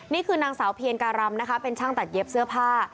นี่คือนางสาวเพียรการำนะคะเป็นช่างตัดเย็บเสื้อผ้า